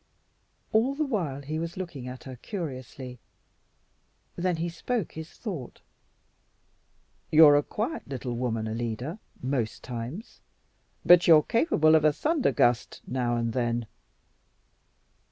All the while he was looking at her curiously; then he spoke his thought. "You're a quiet little woman, Alida, most times, but you're capable of a thunder gust now and then."